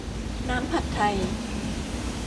น้ำผัดไทย